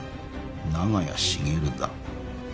長屋茂だ。